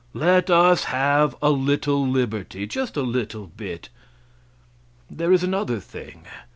Let us have a little liberty just a little bit. There is another thing.